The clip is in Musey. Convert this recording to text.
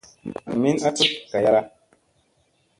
Ndak min a tut gayara.